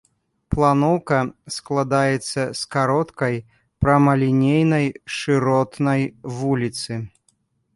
Планоўка складаецца з кароткай прамалінейнай шыротнай вуліцы.